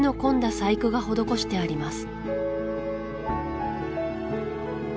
細工が施してあります